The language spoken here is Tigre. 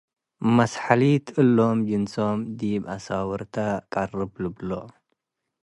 መስሐሊት እሎም ጅንሶም ዲብ አሳውርተ ቀርብ ልብሎ ።